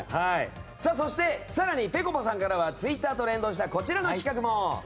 そして、更にぺこぱさんからはツイッターと連動したこちらの企画も。